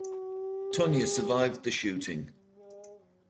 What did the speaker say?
Tonya survived the shooting.